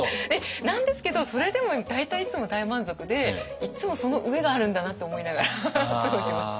なんですけどそれでも大体いつも大満足でいつもその上があるんだなって思いながら過ごします。